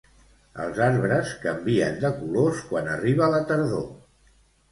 Els arbres canvien de colors quan arriba la tardor.